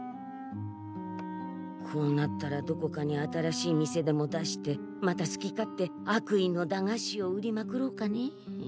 こうなったらどこかに新しい店でも出してまた好き勝手悪意の駄菓子を売りまくろうかねえ。